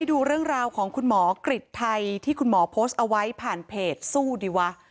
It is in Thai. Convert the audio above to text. ดูเรื่องราวของคุณหมอกริจไทยที่คุณหมอโพสต์เอาไว้ผ่านเพจสู้ดีวะ